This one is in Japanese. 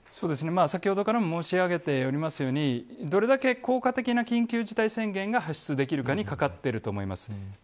先ほどからも申し上げているようにどれだけ効果的な緊急事態宣言が発出できるかにかかっていると思います。